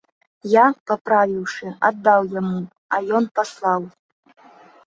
Я, паправіўшы, аддаў яму, а ён паслаў.